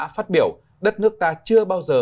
phát biểu đất nước ta chưa bao giờ